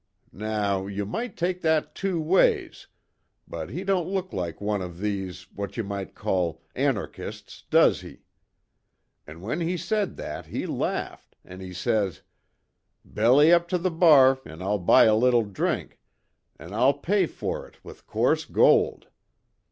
Now, you might take that two ways, but he don't look like one of these, what you might call, anarchists, does he? An' when he said that he laughed, an' he says: 'Belly up to the bar an' I'll buy a little drink _an' I'll pay for it with coarse gold!